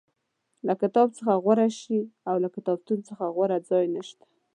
له کتاب څخه غوره شی او له کتابتون څخه غوره ځای نشته.